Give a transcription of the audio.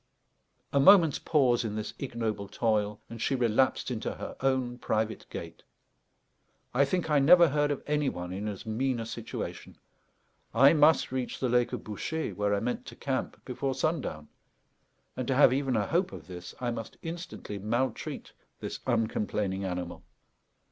A moment's pause in this ignoble toil, and she relapsed into her own private gait. I think I never heard of any one in as mean a situation. I must reach the lake of Bouchet, where I meant to camp, before sundown, and, to have even a hope of this, I must instantly maltreat this uncomplaining animal.